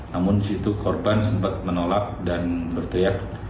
namun di situ korban sempat menolak dan berteriak